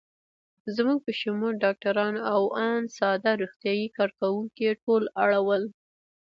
زموږ په شمول ډاکټران او آن ساده روغتیايي کارکوونکي ټول اړ ول.